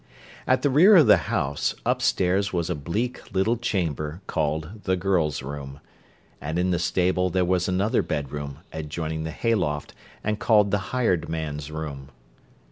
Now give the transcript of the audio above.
At the rear of the house, upstairs was a bleak little chamber, called "the girl's room," and in the stable there was another bedroom, adjoining the hayloft, and called "the hired man's room."